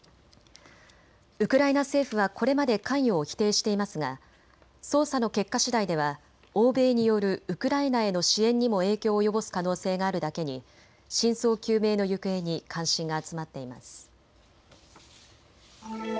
ウクライナ政府はこれまで関与を否定していますが捜査の結果しだいでは欧米によるウクライナへの支援にも影響を及ぼす可能性があるだけに真相究明の行方に関心が集まっています。